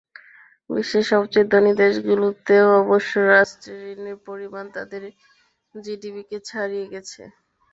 বিশ্বের সবচেয়ে ধনী দেশগুলোতেও অবশ্য রাষ্ট্রের ঋণের পরিমাণ তাদের জিডিপিকে ছাড়িয়ে গেছে।